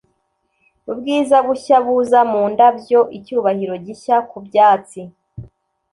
Ubwiza bushya buza mu ndabyo icyubahiro gishya ku byatsi